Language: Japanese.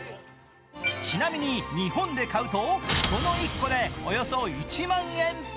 ちなみに日本で買うと、この１個でおよそ１万円。